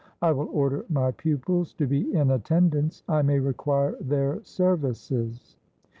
I will order my pupils to be in attendance; I may require their services."